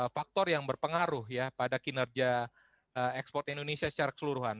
faktor yang berpengaruh ya pada kinerja ekspor indonesia secara keseluruhan